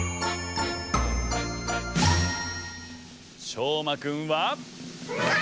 しょうまくんは。